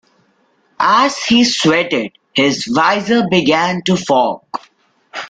As he sweated, his visor began to fog.